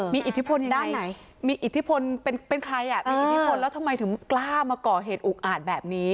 มีอิทธิพลยังไงมีอิทธิพลเป็นใครมีอิทธิพลแล้วทำไมถึงกล้ามาก่อเหตุอุกอาจแบบนี้